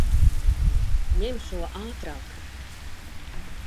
Ņem šo ātrāk!